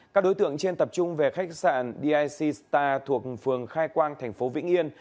các đối tượng trên tập trung về khách sạn dic star thuộc phường khai quang tp vĩnh yên